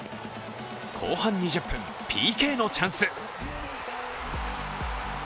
後半２０分、ＰＫのチャンス。